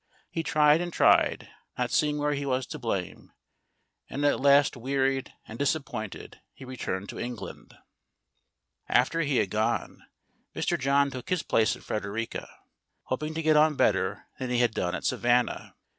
He tried and tried, not seeing where he was to blame, and at last wearied and disappointed he returned to England. After he had gone, Mr. John took his place at Frederica, hoping to get on better than he had done at Savannah.